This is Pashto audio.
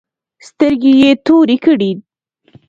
سترگې يې تورې کړې.